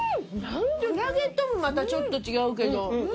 クラゲともまたちょっと違うけど。